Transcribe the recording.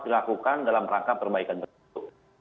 dilakukan dalam rangka perbaikan tersebut